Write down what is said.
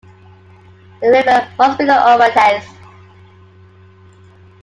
The river must be the Orontes.